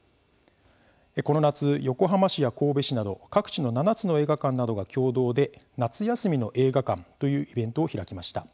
この夏、横浜市や神戸市など各地の７つの映画館などが共同で夏休みの映画館というイベントを開きました。